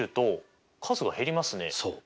そう。